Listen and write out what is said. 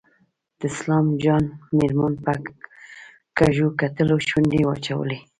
د سلام جان مېرمن په کږو کتلو شونډې واچولې.